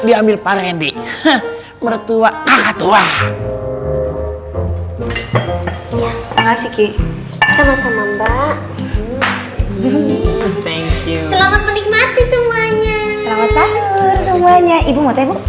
selamat sahur semuanya ibu mau teh bu